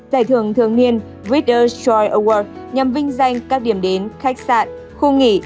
giải thưởng thường niên reader s choice awards nhằm vinh danh các điểm đến khách sạn khu nghỉ